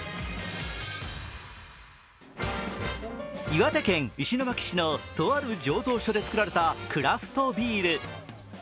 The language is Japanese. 岩手県石巻市のとある醸造所で作られたクラフトビール。